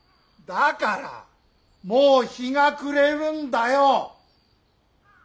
だからもう日が暮れるんだよ。